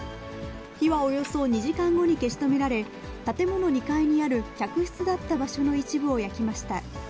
火はおよそ２時間後に消し止められ、建物２階にある客室だった場所の一部を焼きました。